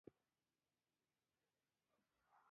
او په پوره ايمان دارۍ يې په ليکني بنه خوندي نه کړي.